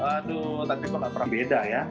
aduh tapi kalau perbeda ya